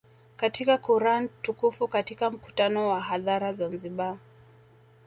katika Quran Tukufu Katika mkutano wa hadhara Zanzibar